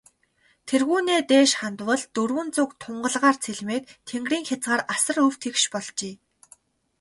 Тэргүүнээ дээш хандвал, дөрвөн зүг тунгалгаар цэлмээд, тэнгэрийн хязгаар асар өв тэгш болжээ.